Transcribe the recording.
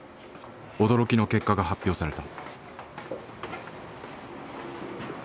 驚きの結果が発表された。